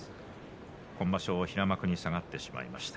今場所、平幕に下がってしまいました。